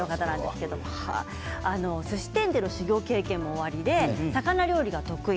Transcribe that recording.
すし店での修業経験もおありで魚料理が得意。